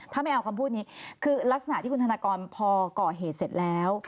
ถ้าไม่เอาคำพูดนี้คือลักษณะที่คุณธนากรพอก่อเหตุเสร็จแล้ว